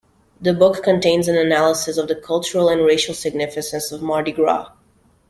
The book contains an analysis of the cultural and racial significance of Mardi Gras.